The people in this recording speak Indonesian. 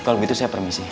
kalau gitu saya permisi